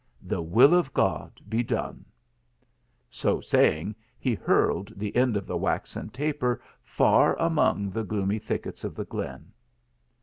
The will of God be done !" So saying he hurled the end of the waxen taper far among the gloomy thickets of the glen.